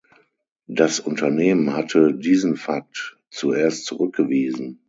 Das Unternehmen hatte diesen Fakt zuerst zurückgewiesen.